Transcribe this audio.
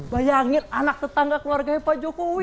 bayangin anak tetangga keluarganya pak jokowi